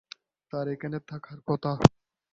তার এখানে থাকার কথা।